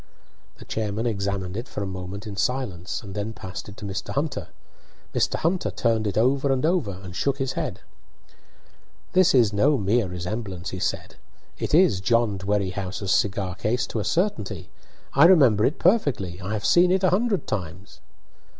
The chairman examined it for a moment in silence, and then passed it to Mr. Hunter. Mr. Hunter turned it over and over, and shook his head. "This is no mere resemblance," he said. "It is John Dwerrihouse's cigar case to a certainty. I remember it perfectly; I have seen it a hundred times."